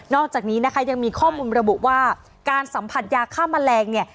อกจากนี้นะคะยังมีข้อมูลระบุว่าการสัมผัสยาฆ่าแมลงเนี่ย